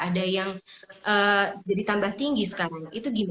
ada yang jadi tambah tinggi sekarang itu gimana pak